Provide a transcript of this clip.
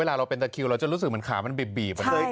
เราเป็นตะคิวเราจะรู้สึกเหมือนขามันบีบ